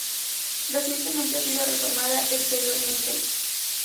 Recientemente ha sido reformada exteriormente.